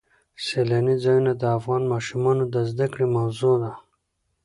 سیلاني ځایونه د افغان ماشومانو د زده کړې موضوع ده.